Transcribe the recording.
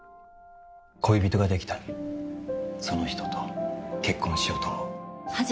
恋人ができた、その人と結婚しようと思う。